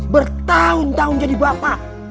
bertahun tahun jadi bapak